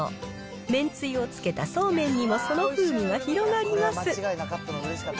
めんつゆをつけたそうめんにもその風味が広がります。